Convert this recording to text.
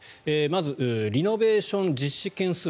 まずリノベーション実施件数